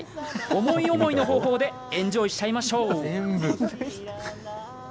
思い思いの方法でエンジョイしちゃいましょう。